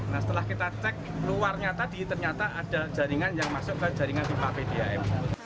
nah setelah kita cek luarnya tadi ternyata ada jaringan yang masuk ke jaringan pipa pdam